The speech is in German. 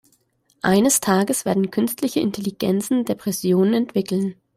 Eines Tages werden künstliche Intelligenzen Depressionen entwickeln.